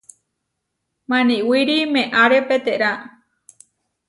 Maniwíri meʼáre peterá.